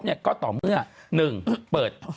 ก็ต่อเมื่อ๑เปิด